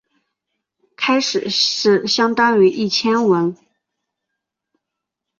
开始是相当于一千文。